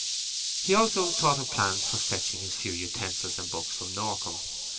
He also thought of plans for fetching his few utensils and books from Norcombe.